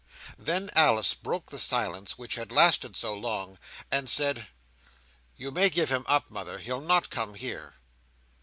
Then Alice broke the silence which had lasted so long, and said: "You may give him up, mother. He'll not come here."